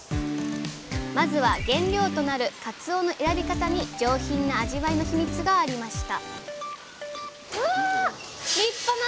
まずは原料となる「かつお」の選び方に上品な味わいのヒミツがありました